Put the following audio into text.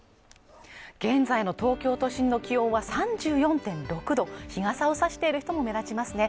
現在の東京都心の気温は３４．６度日傘を差している人も目立ちますね